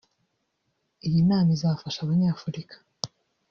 Iyi nama izafasha Abanyafurika